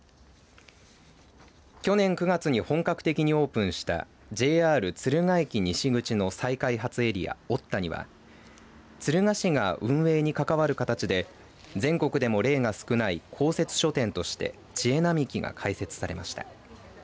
去年９月に本格的にオープンしたＪＲ敦賀駅西口の再開発エリアｏｔｔａには敦賀市が運営に関わる形で全国でも例が少ない公設書店としてちえなみきが開設されました。